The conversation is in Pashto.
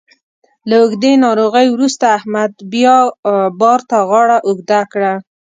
له اوږدې ناروغۍ وروسته احمد بیا بار ته غاړه اوږده کړه.